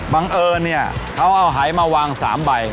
บังเอิ้นนี่ขัวเอาไหมาวาง๓ใบ